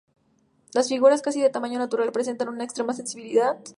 Las figuras, casi de tamaño natural, presentan una extrema sensibilidad.